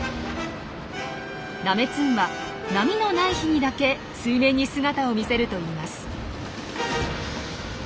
ナメツンは波のない日にだけ水面に姿を見せるといいます。